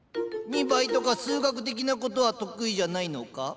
２倍とか数学的なことは得意じゃないのか？